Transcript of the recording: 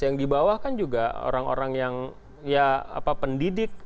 yang di bawah kan juga orang orang yang ya pendidik